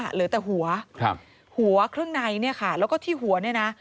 เหลือแต่หัวหัวเครื่องในเนี่ยค่ะแล้วก็ที่หัวเนี่ยนะ